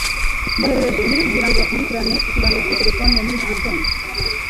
Mboherereje imeri kugirango nkurikirane ikiganiro kuri terefone muri iki gitondo.